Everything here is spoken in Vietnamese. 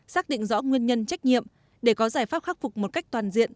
xác định rõ nguyên nhân trách nhiệm để có giải pháp khắc phục một cách toàn diện